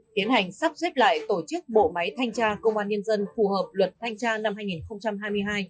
tiến hành sắp xếp lại tổ chức bộ máy thanh tra công an nhân dân phù hợp luật thanh tra năm hai nghìn hai mươi hai